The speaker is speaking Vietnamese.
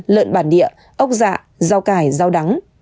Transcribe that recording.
lợn bản địa ốc dạ rau cải rau đắng